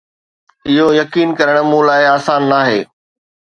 اهو يقين ڪرڻ مون لاء آسان ناهي